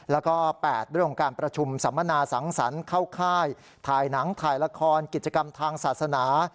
แล้วก็๘เรื่องของการประชุมสัมมนาสังสรรค์เข้าค่ายถ่ายหนังถ่ายละครกิจกรรมทางศาสนา